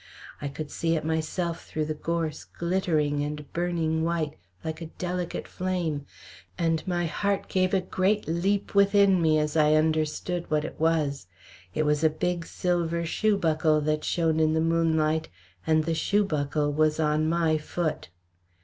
I could see it myself through the gorse glittering and burning white, like a delicate flame, and my heart gave a great leap within me as I understood what it was. It was a big silver shoe buckle that shone in the moonlight, and the shoe buckle was on my foot.